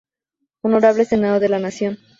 Honorable Senado de la Nación.